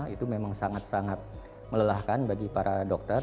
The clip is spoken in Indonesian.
itu memang sangat sangat melelahkan bagi para dokter